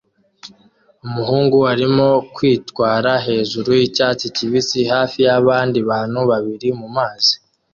Umuhungu arimo kwitwara hejuru yicyatsi kibisi hafi yabandi bantu babiri mumazi